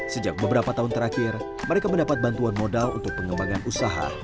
sejak beberapa tahun terakhir mereka mendapat bantuan modal untuk pengembangan usaha